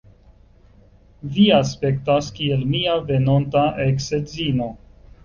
Vi aspektas kiel mia venonta eks-edzino.